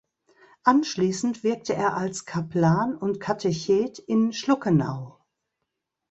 Anschließend wirkte er als Kaplan und Katechet in Schluckenau.